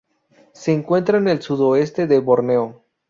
Se encuentran en el sudoeste de Borneo.